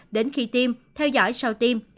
đến khi tiêm theo dõi sau tiêm